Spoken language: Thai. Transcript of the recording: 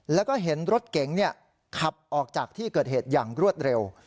แล้วก็เห็นรถเก๋งขับออกจากที่เกิดเหตุอย่างรวดเร็ว